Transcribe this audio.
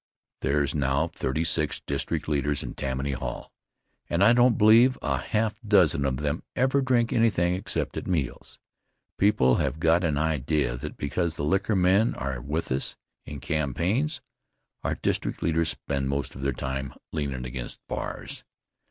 There's now thirty six district leaders in Tammany Hall, and I don't believe a half dozen of them ever drink anything except at meals. People have got an idea that because the liquor men are with us in campaigns. our district leaders spend most of their time leanin' against bars.